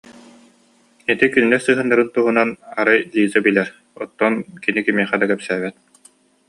Ити кинилэр сыһыаннарын туһунан, арай Лиза билэр, оттон кини кимиэхэ да кэпсээбэт